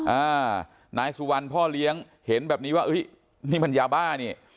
อ่านายสุวรรณพ่อเลี้ยงเห็นแบบนี้ว่าเฮ้ยนี่มันยาบ้านี่